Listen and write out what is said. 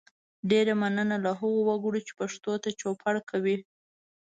ډیره مننه له هغو وګړو چې پښتو ته چوپړ کوي